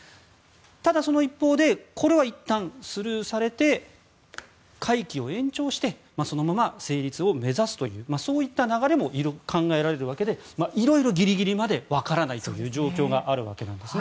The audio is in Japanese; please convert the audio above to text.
ただその一方でこれはいったんスルーされて会期を延長してそのまま成立を目指すというそういった流れも考えられるわけで色々ギリギリまでわからないという状況があるわけです。